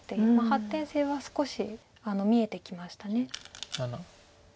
発展性は少し見えてきました。